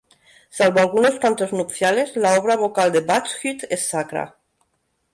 Salvo algunos cantos nupciales, la obra vocal de Buxtehude es sacra.